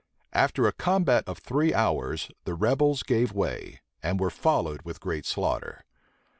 After a combat of three hours, the rebels gave way, and were followed with great slaughter.